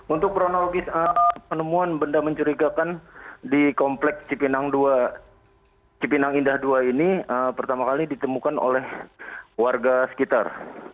untuk kronologis penemuan benda mencurigakan di kompleks cipinang indah dua ini pertama kali ditemukan oleh warga sekitar